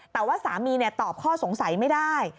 แต่ว่าสามีตอบข้อสงสัยไม่ได้